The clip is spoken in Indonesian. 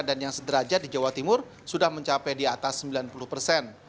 dan yang sederajat di jawa timur sudah mencapai di atas sembilan puluh persen